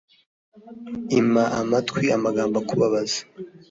ima amatwi amagambo akubabaza